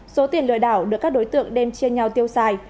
số tiền lừa đảo được các đối tượng đem chia nhau tiêu xài